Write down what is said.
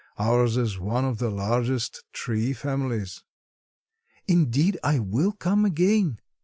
Ours is one of the largest tree families." "Indeed, I will come again."